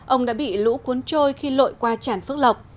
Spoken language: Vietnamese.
ông đã bị lũ cuốn trôi khi lội qua chản phước lộc